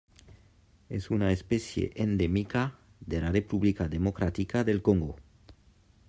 És una espècie endèmica de la República Democràtica del Congo.